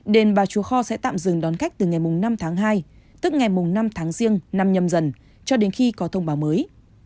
đền bà chúa kho sẽ tạm dừng đón khách từ ngày năm tháng hai tức ngày năm tháng riêng năm nhâm dần cho đến khi có thông báo mới